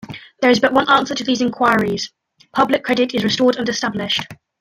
There is but one answer to these inquiries: Public credit is restored and established.